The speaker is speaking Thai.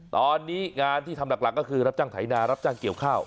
ตอนนี้งานที่ทำหลักก็คือรับจ้างไถนารับจ้างเกี่ยวข้าว